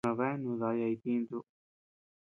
Nabeanu dayaa itintu.